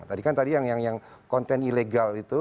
tadi kan tadi yang konten ilegal itu